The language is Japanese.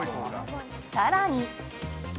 さらに。